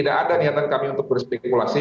tidak ada niatan kami untuk berspekulasi